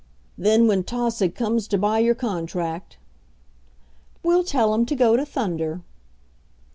"Then, when Tausig comes to buy your contract " "We'll tell him to go to thunder."